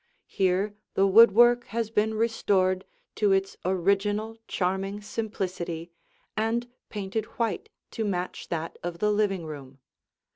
Here the woodwork has been restored to its original charming simplicity and painted white to match that of the living room.